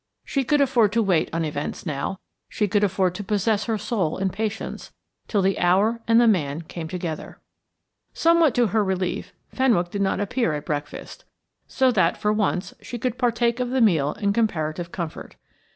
She could afford to wait on events now; she could afford to possess her soul in patience till the hour and the man came together. Somewhat to her relief, Fenwick did not appear at breakfast, so that, for once, she could partake of the meal in comparative comfort.